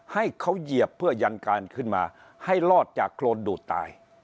ให้เขาเหยียบเพื่อยันการขึ้นมาให้รอดจากโครนดูดตาย